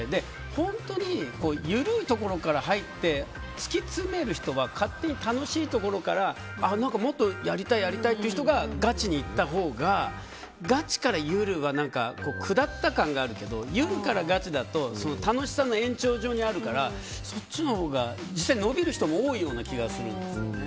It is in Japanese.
本当にゆるいところから入って突き詰める人は勝手に楽しいところからもっとやりたいっていう人がガチにいったほうがガチからゆるは下った感があるけどゆるからガチだと楽しさの延長上にあるからそっちのほうが実際伸びる人も多い気がするんですよね。